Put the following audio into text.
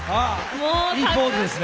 いいポーズですね。